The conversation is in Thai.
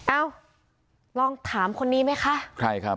เอ้าลองถามคนนี้ไหมคะ